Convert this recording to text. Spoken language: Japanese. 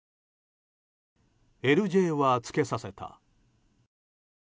ＬＪはつけさせた。